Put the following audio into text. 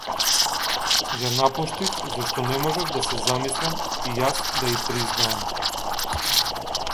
Ја напуштив зашто не можев да си замислам и јас да и признаам.